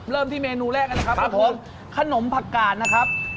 เริ่มที่เมนูแรกกันนะครับครับผมขนมผักกาดนะครับ